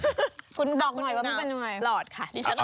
น้ำลอดค่ะที่ฉันเอาละ